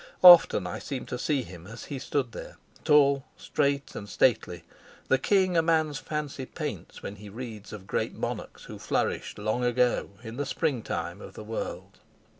Often I seem to see him as he stood there, tall, straight, and stately, the king a man's fancy paints when he reads of great monarchs who flourished long ago in the springtime of the world.